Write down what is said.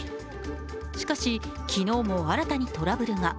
しかし、昨日も新たにトラブルが。